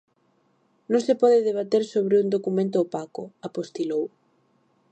"Non se pode debater sobre un documento opaco", apostilou.